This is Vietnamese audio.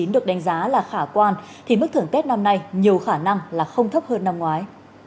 được đánh giá là khả quan thì mức thưởng tết năm nay nhiều khả năng là không thấp hơn năm ngoái